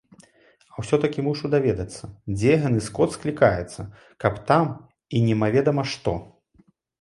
А ўсё-такі мушу даведацца, дзе гэны сход склікаецца, каб там і немаведама што!